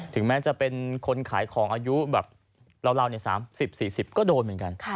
ถึงแม้จะเป็นคนขายของอายุแบบราว๓๐๔๐ก็โดนเหมือนกัน